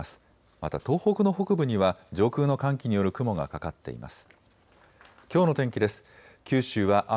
また東北の北部には上空の寒気による雲がかかっています。